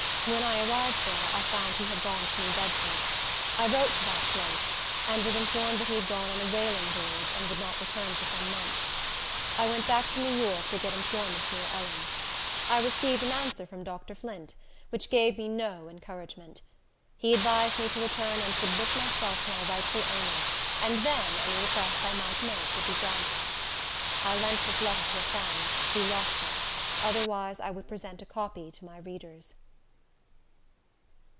When I arrived there, I found he had gone to New Bedford. I wrote to that place, and was informed he had gone on a whaling voyage, and would not return for some months. I went back to New York to get employment near Ellen. I received an answer from Dr. Flint, which gave me no encouragement. He advised me to return and submit myself to my rightful owners, and then any request I might make would be granted. I lent this letter to a friend, who lost it; otherwise I would present a copy to my readers.